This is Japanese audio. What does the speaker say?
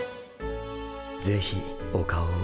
ぜひお顔を。